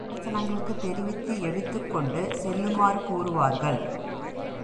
அருகிலிருக்கும் அரிசனங்களுக்குத் தெரிவித்து எடுத்துக்கொண்டு செல்லுமாறு கூறுவார்கள்.